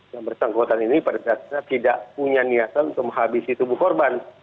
yang bersangkutan ini pada dasarnya tidak punya niatan untuk menghabisi tubuh korban